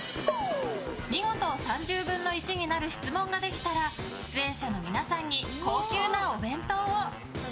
見事、３０分の１になる質問ができたら出演者の皆さんに高級なお弁当を。